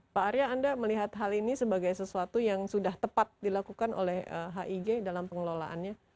pak arya anda melihat hal ini sebagai sesuatu yang sudah tepat dilakukan oleh hig dalam pengelolaannya